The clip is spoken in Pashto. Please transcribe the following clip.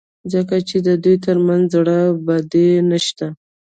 ځکه چې د دوی ترمنځ زړه بدي نشته.